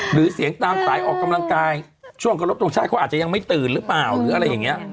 หรือเสียงตามสายออกกำลังกายช่วงขอรบทรงชาติเขาอาจจะยังไม่ตื่นหรือเปล่าหรืออะไรอย่างนี้